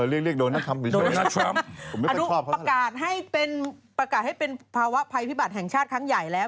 เออเรียกโดนัลด์ทรัมป์ดูประกาศให้เป็นภาวะภัยพิบัติแห่งชาติครั้งใหญ่แล้ว